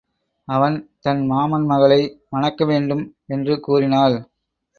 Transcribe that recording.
அவன் தன் மாமன் மகளை மணக்கவேண்டும் என்று கூறினாள்.